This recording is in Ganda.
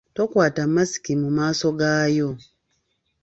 Tokwata masiki mu maaso gaayo.